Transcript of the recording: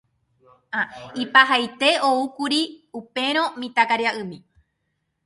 Ipahaite oúkuri upérõ mitãkaria'ymi.